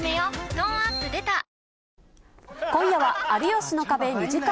トーンアップ出た今夜は、有吉の壁２時間